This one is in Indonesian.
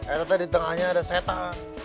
etatnya di tengahnya ada setan